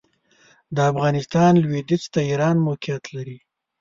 د افغانستان لوېدیځ ته ایران موقعیت لري.